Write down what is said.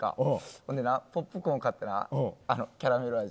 ほんでポップコーン買ってな、キャラメル味。